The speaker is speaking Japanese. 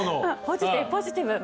「ポジティブポジティブ！」